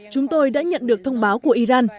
chúng tôi đã nhận được thông báo của iran